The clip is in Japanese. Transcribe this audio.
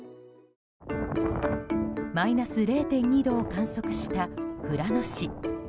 マイナス０．２度を観測した富良野市。